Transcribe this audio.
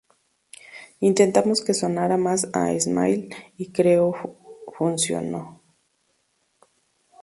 Intentamos que sonara más a Smile, y creo funcionó.